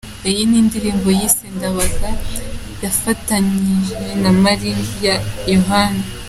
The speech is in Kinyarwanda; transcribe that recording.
Iyi n’indirimbo yise "Ndabaga" yafatanyije na Mariya Yohana.